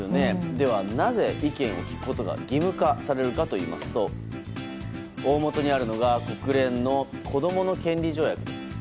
では、なぜ意見を聞くことが義務化されるかといいますとおおもとにあるのが国連の子どもの権利条約です。